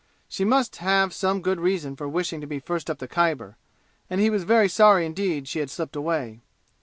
She must have some good reason for wishing to be first up the Khyber, and he was very sorry indeed she had slipped away.